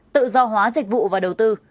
bốn tự do hóa dịch vụ và đầu tư